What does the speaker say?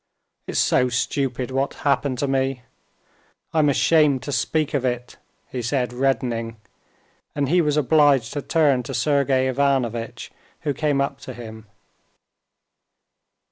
"It's so stupid, what happened to me, I'm ashamed to speak of it!" he said, reddening, and he was obliged to turn to Sergey Ivanovitch, who came up to him.